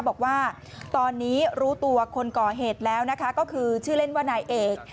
บอกว่าตอนนี้รู้ตัวคนก่อเหตุแล้วนะคะก็คือชื่อเล่นว่านายเอก